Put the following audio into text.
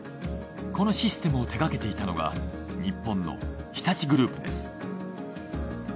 このシステムを手がけていたのが日本の日立グループです。